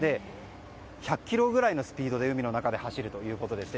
１００キロくらいのスピードで走るということでして。